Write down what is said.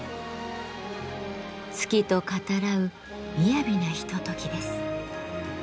月と語らう雅なひとときです。